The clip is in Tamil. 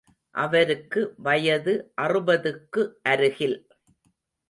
அவருக்கு வயது அறுபதுக்கு அருகில்.